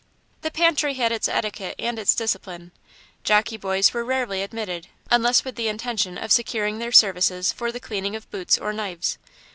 The pantry had its etiquette and its discipline. Jockey boys were rarely admitted, unless with the intention of securing their services for the cleaning of boots or knives.